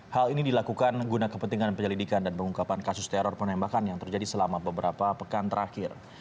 hal ini dilakukan guna kepentingan penyelidikan dan pengungkapan kasus teror penembakan yang terjadi selama beberapa pekan terakhir